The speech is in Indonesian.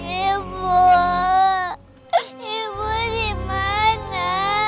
ibu ibu dimana